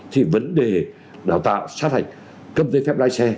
thì vấn đề đào tạo sát hạch cấp giấy phép